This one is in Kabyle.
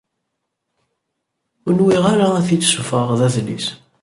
Ur nwiɣ ara ad t-id-ssufɣeɣ d adlis.